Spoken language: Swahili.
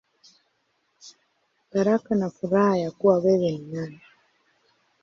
Baraka na Furaha Ya Kuwa Wewe Ni Nani.